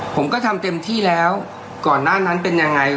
ผมก็ทำเต็มที่แล้วก่อนหน้านั้นเป็นยังไง